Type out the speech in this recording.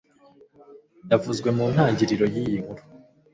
yavuzwe mu ntangiriro y'iyi nkuru.